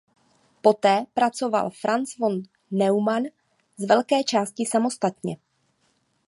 Poté pracoval Franz von Neumann z velké části samostatně.